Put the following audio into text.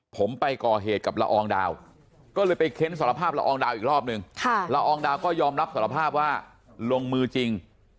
ผมไปก่อเหตุกับละอองดาวน์